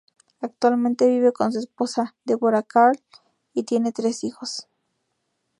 Actualmente vive con su esposa, Deborah Karl, y tiene tres hijos.